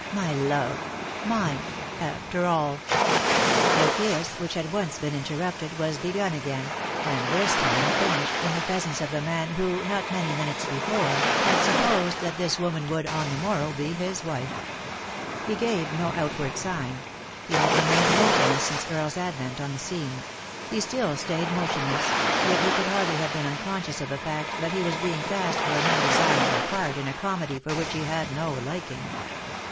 " My love— mine— after all." The kiss, which had once been interrupted, was begun again ; and this time finished— in the presence of the man who, not many minutes before, had supposed that this woman would, on the morrow, 306" 3i 9 iii^d by Google THE INTERRUPTED KISS be bis wife. He gave no outward sign ; he bad remained motionless since Earle's advent on the scene ; he still staved motionless ; yet he could hardly have been unconscious of the fact that he was being cast for an undesirable part in a comedy for which he had no liking.